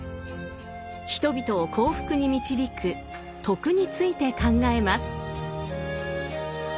人々を幸福に導く「徳」について考えます。